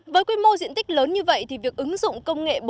với quy mô diện tích lớn như vậy thì việc ứng dụng công nghệ bốn